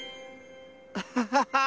アハハハー！